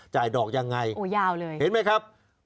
จ่ายดอกยังไงเห็นไหมครับโอ้ยาวเลย